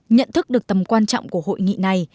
nhận thức được tầm quan trọng của hội nghị này